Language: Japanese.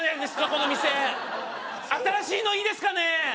この店新しいのいいですかね？